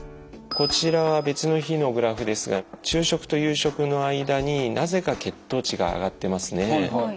こちらは別の日のグラフですが昼食と夕食の間になぜか血糖値が上がってますね。